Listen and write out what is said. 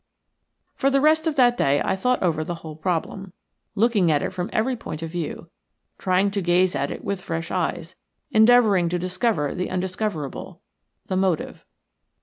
For the rest of that day I thought over the whole problem, looking at it from every point of view, trying to gaze at it with fresh eyes, endeavouring to discover the indiscoverable – the motive.